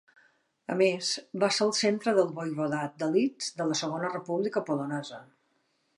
A més, va ser el centre del voivodat de Lviv de la Segona República Polonesa.